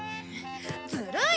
ずるい！